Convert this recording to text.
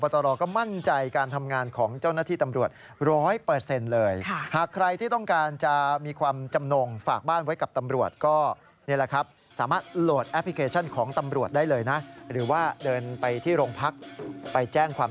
แต่ก่อนต้องมีสมุดตรวจใช่ไหม